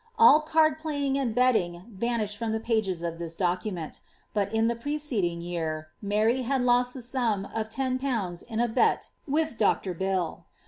All oan) pbying and betting vanish from the pages of this document; t>nt in tba preceding year Mary had lost the sum of 10/. in n bet with Dr. Bill.